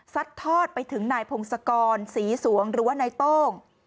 ทอดไปถึงนายพงศกรศรีสวงหรือว่านายโต้ง